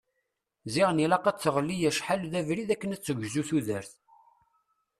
Ziɣen ilaq ad teɣli acḥal d abrid akken ad tegzu tudert.